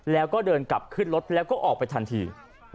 แล้วก็เดินกลับขึ้นรถแล้วก็ออกไปทันที